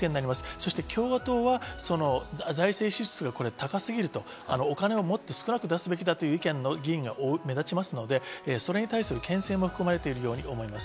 そして共和党は財政支出が高すぎると、お金をもっと少なく出すべきだという意見の議員が目立ちますので、それに対するけん制も含まれているように思います。